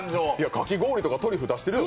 かき氷とかトリュフ出してるやん